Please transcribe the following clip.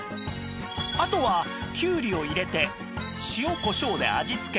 あとはきゅうりを入れて塩こしょうで味付け